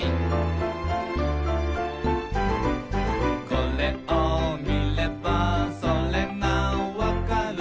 「これを見ればそれがわかる」